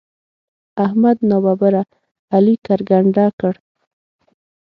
احمد ناببره علي کرکنډه کړ.